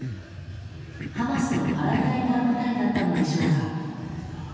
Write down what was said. ハマスのパラグライダー部隊だったのでしょうか。